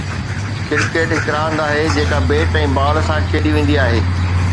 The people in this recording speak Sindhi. ڪرڪيٽ هڪ راند آهي جيڪا بيٽ ۽ بال سان کيڏي ويندي آهي